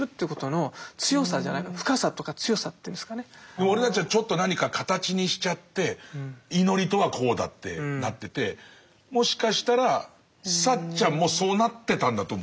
でも俺たちはちょっと何か形にしちゃって「祈りとはこうだ」ってなっててもしかしたらサッチャンもそうなってたんだと思うんだよね。